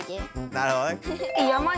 なるほどね。